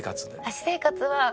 私生活は。